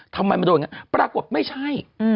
ทำไมมันโดนอย่างนี้ปรากฏไม่ใช่